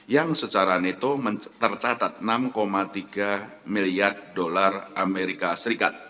yang secara neto tercatat enam tiga miliar dolar amerika serikat